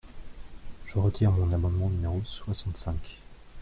Je retire mon amendement numéro soixante-cinq.